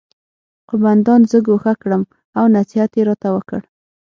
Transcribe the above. قومندان زه ګوښه کړم او نصیحت یې راته وکړ